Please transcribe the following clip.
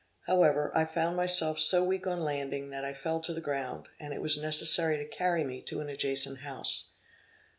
However, I found myself so weak on landing that I fell to the ground, and it was necessary to carry me to an adjacent house.